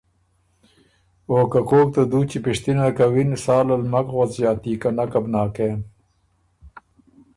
اوکه کوک ته دُوچی پِشتِنه کَوِن ساله ل مک غؤس ݫاتی، که نکه بو ناکېن۔